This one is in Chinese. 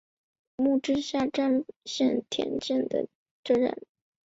木之下站饭田线的铁路车站。